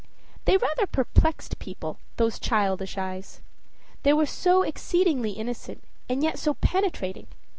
They rather perplexed people, those childish eyes; they were so exceedingly innocent and yet so penetrating.